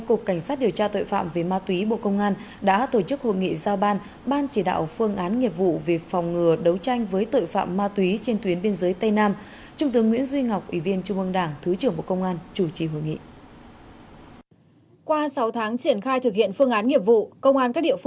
cục cảnh sát điều tra tội phạm về ma túy và công an sáu tỉnh biên giới tây nam và tp hcm